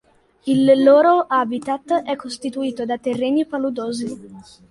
Il loro habitat è costituito da terreni paludosi.